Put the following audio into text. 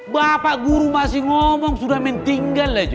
bapak guru masih ngomong sudah main tinggal aja